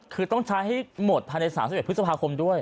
คือต้องใช้หมดภัณฑ์๓๑พฤษภาคมด้วย